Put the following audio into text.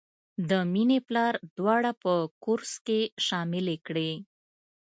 د مینې پلار دواړه په کورس کې شاملې کړې